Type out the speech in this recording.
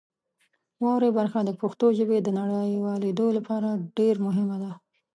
واورئ برخه د پښتو ژبې د نړیوالېدو لپاره ډېر مهمه ده.